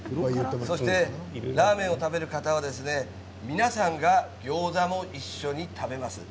そしてラーメンを食べる方は皆さんが餃子も一緒に食べます。